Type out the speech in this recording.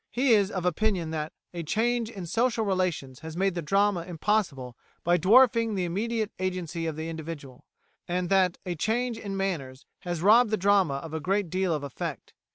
He is of opinion that "a change in social relations has made the drama impossible by dwarfing the immediate agency of the individual," and that "a change in manners has robbed the drama of a great deal of effect."